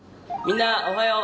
みんなおはよう。